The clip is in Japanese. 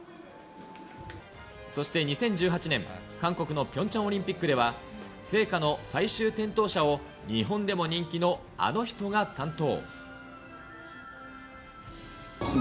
そして２０１８年、韓国のピョンチャンオリンピックでは、聖火の最終点灯者を日本でも人気のあの人が担当。